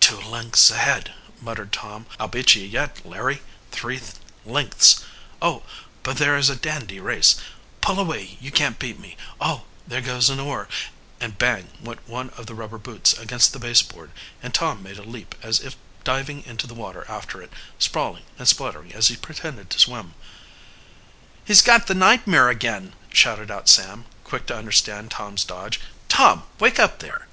"Two lengths ahead!" muttered Tom. "I'll beat you yet, Larry! Three lengths! Oh, but this is a dandy race! Pull away, you can't beat me! Oh! There goes an oar," and, bang! went one of the rubber boots against the base board, and Tom made a leap as if diving into the water after it, sprawling and spluttering as he pretended to swim. "He's got the nightmare again!" shouted out Sam, quick to understand Tom's dodge. "Tom, wake up there!"